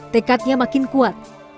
tekadnya makin kuat